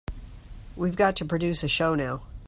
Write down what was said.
We've got to produce a show now.